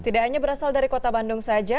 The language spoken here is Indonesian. tidak hanya berasal dari kota bandung saja